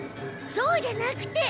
そうじゃなくて。